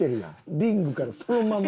リンクからそのまま。